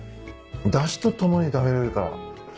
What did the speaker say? だしと共に食べれるから。